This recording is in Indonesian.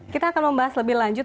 kita akan membahas lebih lanjut